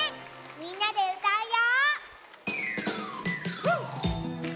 みんなでうたうよ。